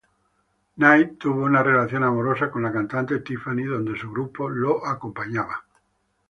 Knight tuvo una relación amorosa con la cantante Tiffany donde su grupo lo acompañaba.